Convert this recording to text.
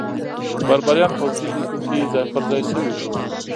بربریان پوځي لیکو کې ځای پرځای شوي وو.